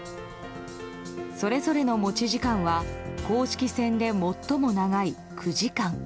それぞれの持ち時間は公式戦で最も長い９時間。